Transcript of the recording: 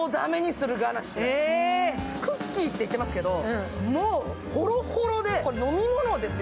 クッキーって言ってますけど、もうほろほろで飲み物ですよ。